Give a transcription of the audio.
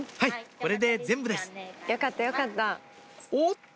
これで全部ですおっと！